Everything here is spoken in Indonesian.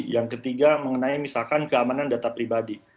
yang ketiga mengenai misalkan keamanan data pribadi